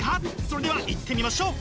それではいってみましょう！